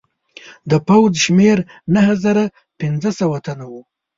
د پوځ شمېر نهه زره پنځه سوه تنه وو.